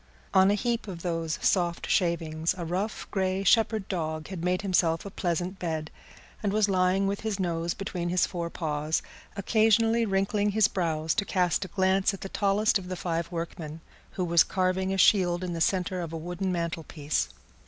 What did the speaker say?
On a heap of those soft shavings a rough, grey shepherd dog had made himself a pleasant bed, and was lying with his nose between his fore paws, occasionally wrinkling his brows to cast a glance at the tallest of the five workmen, who was carving a shield in the centre of a wooden mantelpiece.